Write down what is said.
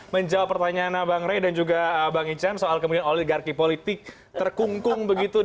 menjawab pertanyaan bang rey dan juga bang ican soal kemudian oligarki politik terkungkung begitu